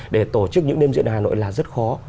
để tổ chức những đêm diễn ở hà nội là rất khó